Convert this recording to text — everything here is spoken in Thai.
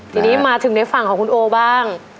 ทีนี้มาถึงในฝั่งของคุณโอบ้าง